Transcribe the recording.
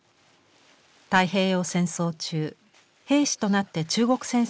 太平洋戦争中兵士となって中国戦線に赴き